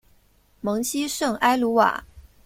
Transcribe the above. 蒙希圣埃卢瓦。